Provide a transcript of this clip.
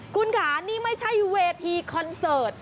คุณค่ะนี่ไม่ใช่เวทีคอนเสิร์ต